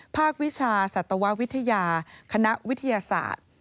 วิชาสัตววิทยาคณะวิทยาศาสตร์